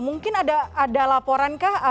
mungkin ada laporan kah